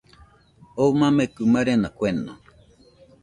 Oo mamekɨ marena kueno